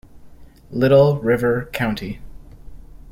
Little River County.